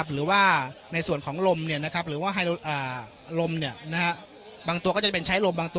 หรือว่าในส่วนของลมบางตัวก็จะเป็นใช้ลมบางตัว